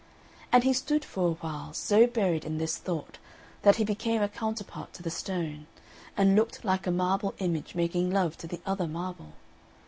And he stood for a while so buried in this thought that he became a counterpart to the stone, and looked like a marble image making love to the other marble.